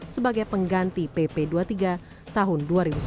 sebagai pengganti pp dua puluh tiga tahun dua ribu sepuluh